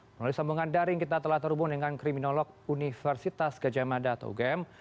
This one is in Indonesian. melalui sambungan daring kita telah terhubung dengan kriminolog universitas gajah mada atau ugm